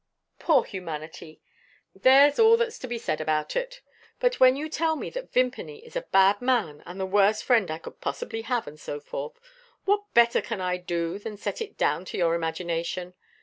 Poor humanity there's all that's to be said about it. But when you tell me that Vimpany is a bad man, and the worst friend I could possibly have, and so forth what better can I do than set it down to your imagination?